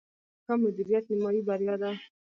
ښه مدیریت، نیمایي بریا ده